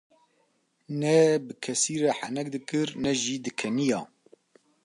Ne bi kesî re henek dikir ne jî dikeniya.